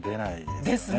ですね。